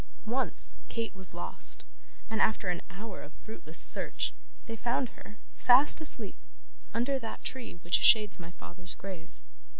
Once, Kate was lost, and after an hour of fruitless search, they found her, fast asleep, under that tree which shades my father's grave.